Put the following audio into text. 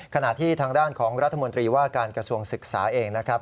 ขณะที่ทางด้านของรัฐมนตรีว่าการกระทรวงศึกษาเองนะครับ